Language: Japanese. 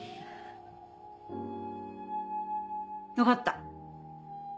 分かった。